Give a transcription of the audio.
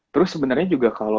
terus sebenernya juga kalo